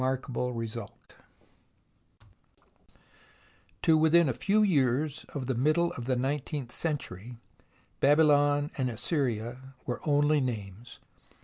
CHAPTER X TO within a few years of the middle of the nineteenth century, Babylon and Assyria were only names.